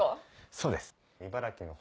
そうです。